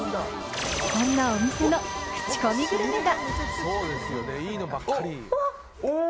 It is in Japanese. そんなお店の口コミグルメが。